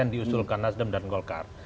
itu adalah sulkarnasdem dan golkar